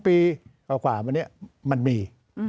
ปีกว่าวันนี้มันมี